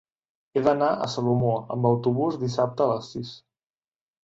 He d'anar a Salomó amb autobús dissabte a les sis.